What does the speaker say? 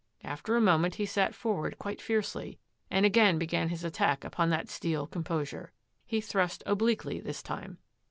After a moment he sat forward quite fiercely and began again his attack upon that steel composure. He thrust obliquely this time.